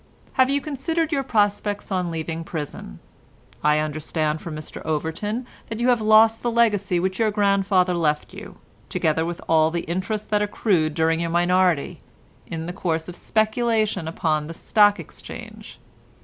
"Have you considered your prospects on leaving prison? I understand from Mr Overton that you have lost the legacy which your grandfather left you, together with all the interest that accrued during your minority, in the course of speculation upon the Stock Exchange!